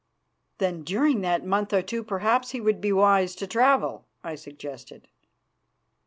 "Then during that month or two perhaps he would be wise to travel," I suggested.